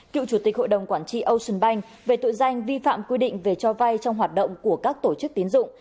cựu chủ tịch hội đồng quản trị ocean bank về tội danh vi phạm quy định về cho vay trong hoạt động của các tổ chức tiến dụng